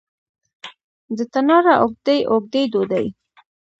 د تناره اوږدې، اوږدې ډوډۍ